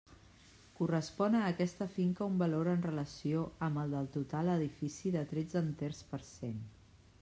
Correspon a aquesta finca un valor en relació amb el del total edifici de tretze enters per cent.